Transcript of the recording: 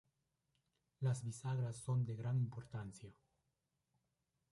Las bisagras son de gran importancia.